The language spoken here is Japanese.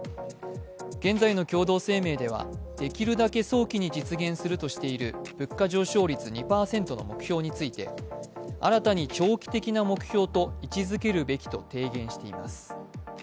現在の共同声明では、できるだけ早期に実現するとしている物価上昇率２％の目標について、新たに長期的な目標と位置づけるべきと提言しています。